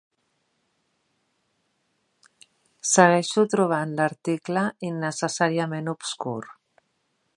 Segueixo trobant l'article innecessàriament obscur.